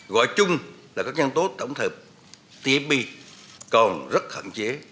gọi chung là các nhân tố tổng thợ tmp còn rất khẳng chế